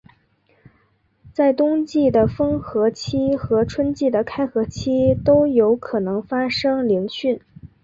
在冬季的封河期和春季的开河期都有可能发生凌汛。